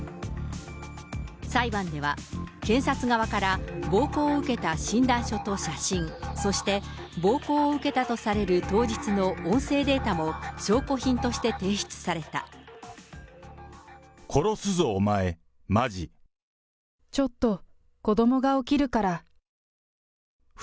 裁判では、検察側から暴行を受けた診断書と写真、そして暴行を受けたとされる当日の音声データも証拠品として提出殺すぞ、ちょっと、子どもが起きるから。